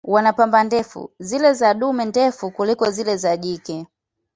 Wana pamba ndefu, zile za dume ndefu kuliko zile za jike.